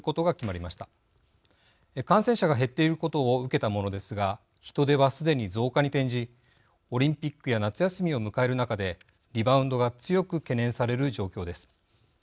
感染者が減っていることを受けたものですが人出はすでに増加に転じオリンピックや夏休みを迎える中でリバウンドが強く懸念される状況です。